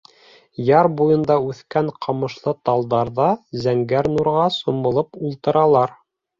Яр буйында үҫкән ҡамыш-талдар ҙа зәңгәр нурға сумып ултыралар.